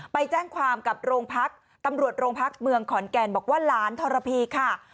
ไปแจ้งความกับโรงพักตำรวจโรงพักเมืองขอนแก่นบอกว่าหลานทรพีค่ะ